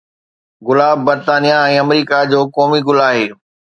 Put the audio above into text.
گلاب برطانيه ۽ آمريڪا جو قومي گل آهي